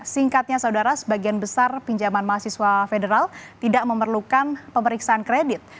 singkatnya saudara sebagian besar pinjaman mahasiswa federal tidak memerlukan pemeriksaan kredit